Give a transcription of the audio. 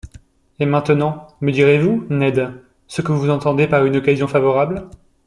Et maintenant, me direz-vous, Ned, ce que vous entendez par une occasion favorable ?